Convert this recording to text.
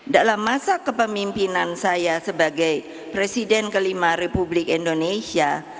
dalam masa kepemimpinan saya sebagai presiden kelima republik indonesia